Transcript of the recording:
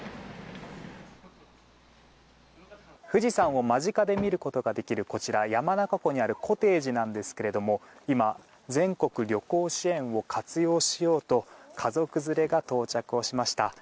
富士山を間近で見ることができる、こちら山中湖にあるコテージなんですけども今、全国旅行支援を活用しようと家族連れが到着をしました。